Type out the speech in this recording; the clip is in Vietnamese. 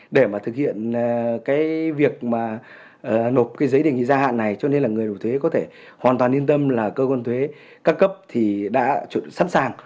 để mà thực hiện cái việc mà nộp cái giấy đề nghị gia hạn này cho nên là người nộp thuế có thể hoàn toàn yên tâm là cơ quan thuế các cấp thì đã sẵn sàng